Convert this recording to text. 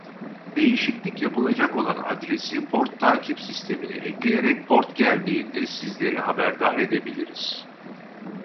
Değişiklik yapılacak olan adresi port takip sistemine ekleyerek port geldiğinde sizleri haberdar edebiliriz.